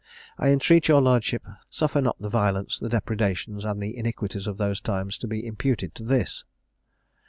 I entreat your lordship, suffer not the violence, the depredations, and the iniquities of those times, to be imputed to this.